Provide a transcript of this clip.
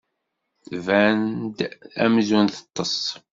Tban-d amzun teṭṭes.